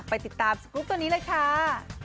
ไปติดตามสกุปตอนนี้รักษา